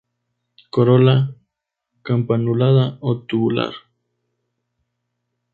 Corola campanulada o tubular.